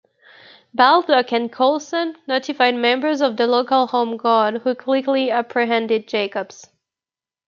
Baldock and Coulson notified members of the local Home Guard who quickly apprehended Jakobs.